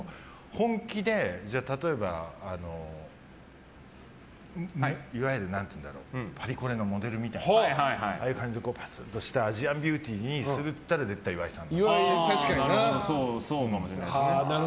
本気で例えば、いわゆるパリコレのモデルみたいなああいう感じで、パツンとしたアジアンビューティーにするってなったら絶対岩井さん。